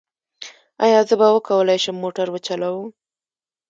ایا زه به وکولی شم موټر وچلوم؟